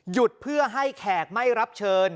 หยุดเพื่อให้แขกไม่รับเชิญ